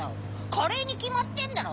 カレーにきまってんだろ！